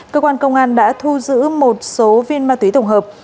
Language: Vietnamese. cơ quan công an đã thu giữ một số viên ma túy tổng hợp